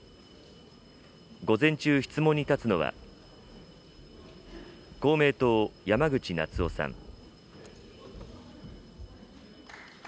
午前中、質問に立つのは、公明党、山口那津男さん。